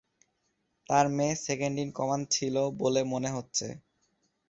তার মেয়ে second in command ছিল বলে মনে হচ্ছে।